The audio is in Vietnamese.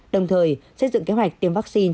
đồng thời xây dựng kế hoạch tiêm vaccine